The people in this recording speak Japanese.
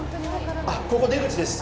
あっここ出口です。